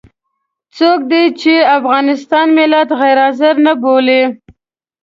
څوک دې د افغانستان ملت غير حاضر نه بولي.